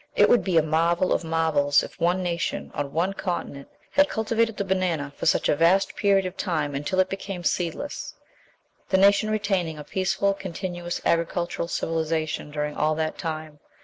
It would be a marvel of marvels if one nation, on one continent, had cultivated the banana for such a vast period of time until it became seedless; the nation retaining a peaceful, continuous, agricultural civilization during all that time.